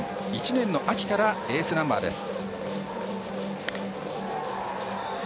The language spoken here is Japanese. １年の秋からエースナンバーです。